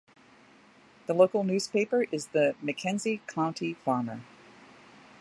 The local newspaper is the "McKenzie County Farmer".